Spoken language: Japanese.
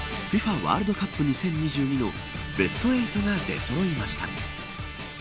ワールドカップ２０２２のベスト８が出そろいました。